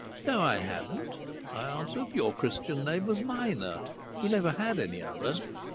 "No, I hadn't," I answered. "Your Christian name was Minor. You never had any other!"